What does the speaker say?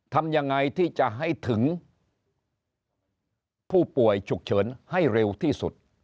ทำยังไงที่จะให้ถึงผู้ป่วยฉุกเฉินให้เร็วที่สุด